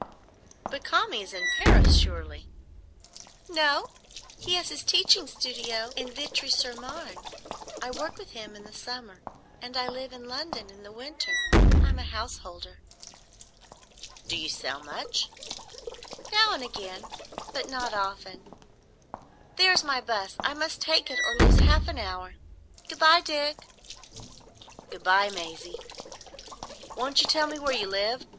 "But Kami is in Paris surely?" "No; he has his teaching studio in Vitry sur Marne. I work with him in the summer, and I live in London in the winter. I'm a householder." "Do you sell much?" "Now and again, but not often. There is my "bus. I must take it or lose half an hour. Good bye, Dick." "Good bye, Maisie. Won't you tell me where you live?